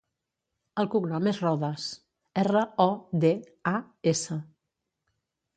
El cognom és Rodas: erra, o, de, a, essa.